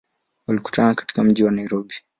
Walikutana katika mji wa Nairobi.